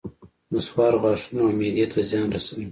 نصوار غاښونو او معدې ته زیان رسوي